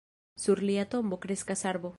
Sur lia tombo kreskas arbo.